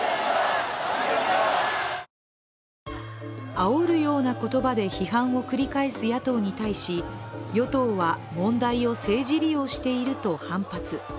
あおるような言葉で批判を繰り返す野党に対し、与党は問題を政治利用していると反発。